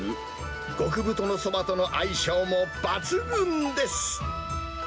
極太のそばとの相性も抜群です。